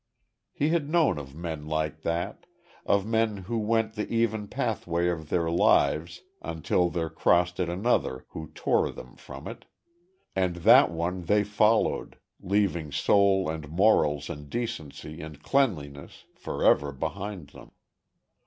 He had known of men like that of men who went the even pathway of their lives until there crossed it another who tore them from it; and that one they followed, leaving soul and morals and decency and cleanliness forever behind them.